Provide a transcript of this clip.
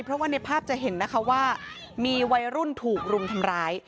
เพราะว่าในภาพจะเห็นนะคะว่ามีวัยรุ่นถูกรุมทำร้าย